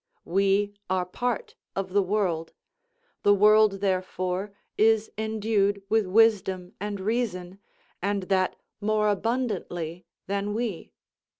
We are part of the world, the world therefore is endued with wisdom and reason, and that more abundantly than we.